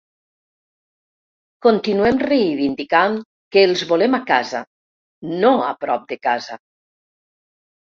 Continuem reivindicant que els volem a casa, no a prop de casa!